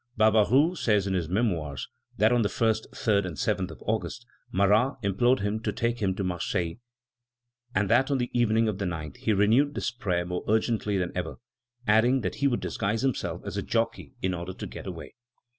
Barbaroux says in his Memoirs that on the 1st, 3d, and 7th of August, Marat implored him to take him to Marseilles, and that on the evening of the 9th he renewed this prayer more urgently than ever, adding that he would disguise himself as a jockey in order to get away.